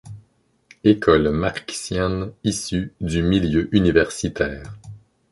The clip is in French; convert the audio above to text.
Écoles marxiennes issues du milieu universitaire.